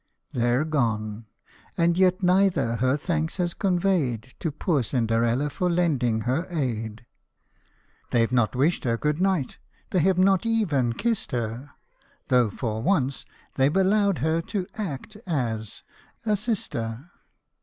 They 're gone ! And yet neither her thanks has conveyed To poor Cinderella for lending her aid ; 59 CINDERELLA. They Ve not wished her good night they have not even kist her, Though for once they've allowed her to act as assister.